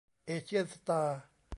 เอเชี่ยนสตาร์